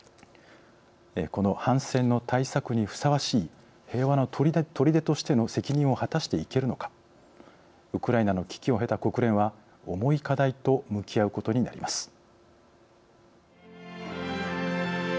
この反戦の大作にふさわしい平和のとりでとしての責任を果たしていけるのかウクライナの危機を経た国連は重い課題と向き合うことになります。